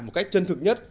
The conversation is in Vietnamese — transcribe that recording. một cách chân thực nhất